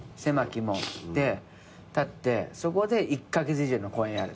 立ってそこで１カ月以上の公演やる。